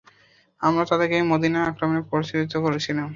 আমরা তাদেরকে মদীনা আক্রমণে প্ররোচিত করেছিলাম।